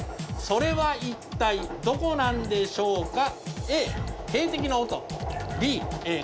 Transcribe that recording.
それは一体どこなんでしょうか？